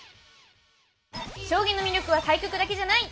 将棋の魅力は対局だけじゃない！